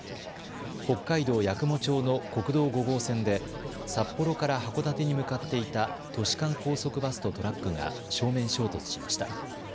北海道八雲町の国道５号線で札幌から函館に向かっていた都市間高速バスとトラックが正面衝突しました。